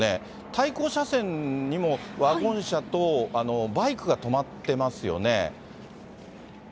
対向車線にもワゴン車とバイクが止まってますよね。